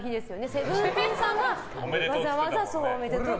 ＳＥＶＥＮＴＥＥＮさんがわざわざおめでとうって。